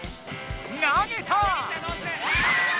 投げた！